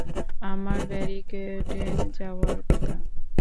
আমার ব্যারিকেডে যাওয়ার কথা।